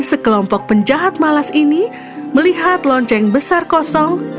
jadi sekelompok penjahat malas ini melihat lonceng besar kosong